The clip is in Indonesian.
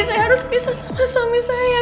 saya harus bisa sama suami saya